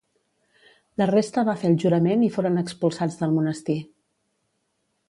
La resta va fer el jurament i foren expulsats del monestir.